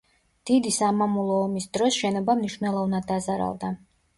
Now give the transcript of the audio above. დიდი სამამულო ომის დროს შენობა მნიშვნელოვნად დაზარალდა.